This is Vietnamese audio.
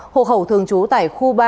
hộ khẩu thường trú tại khu ba